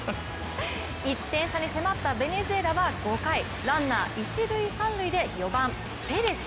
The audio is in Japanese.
１点差に迫ったベネズエラは５回ランナー、一塁三塁で４番・ペレス。